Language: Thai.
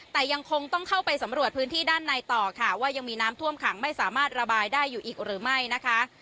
แต่ยังคงต้องเข้าไปสำรวจพื้นที่ด้านในต่อค่ะว่ายังมีน้ำท่วมขังไม่สามารถระบายได้อยู่อีกหรือไม่นะคะ